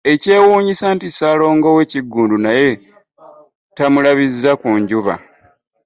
Ekyewuunyisa nti Ssaalongo we Kiggundu naye tamulabizza ku njuba